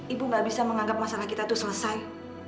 ibu nggak bisa menganggap masalah kita tuh selesai